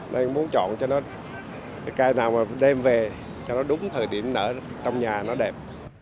nên muốn chọn cho nó cái cây nào mà đem về cho nó đúng thời điểm ở trong nhà nó đẹp